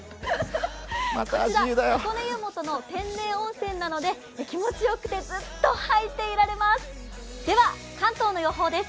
箱根湯本の天然温泉なので気持ちよくてずっと入っていられます。